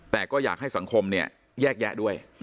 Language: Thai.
แต่ก็อยากให้สังคมเนี่ยแยกแยะด้วย